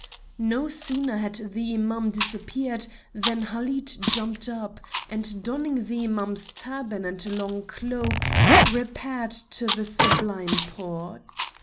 No sooner had the Imam disappeared than Halid jumped up, and, donning the Imam's turban and long cloak, repaired to the Sublime Porte.